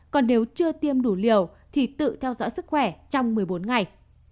còn nếu chưa tiêm đủ liều thì tự theo dõi sức khỏe trong một mươi bốn ngày